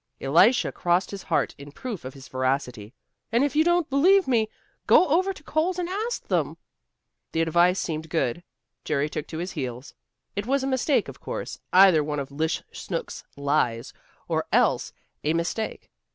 Elisha crossed his heart in proof of his veracity. "And if you don't b'lieve me, go over to Cole's and ask them." The advice seemed good. Jerry took to his heels. It was a mistake, of course, either one of 'Lish Snooks' lies, or else a mistake.